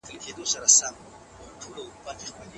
د واورې سپین رنګه پوښ پر بالکن باندې په ارامه توګه پرته وه.